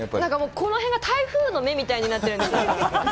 この辺が台風の目みたいになってるんです。